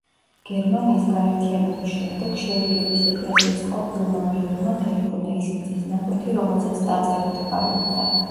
გერმანიის გაერთიანების შემდეგ შერიგების ეკლესიის ყოფილმა მრევლმა დაიბრუნა ის მიწის ნაკვეთი, რომელზეც ტაძარი მდებარეობდა.